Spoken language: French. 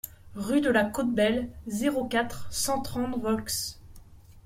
Rue de la Côte Belle, zéro quatre, cent trente Volx